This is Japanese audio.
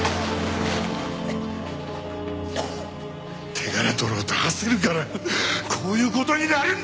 手柄取ろうと焦るからこういう事になるんだよ！